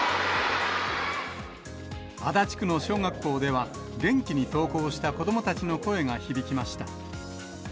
足立区の小学校では、元気に登校した子どもたちの声が響きました。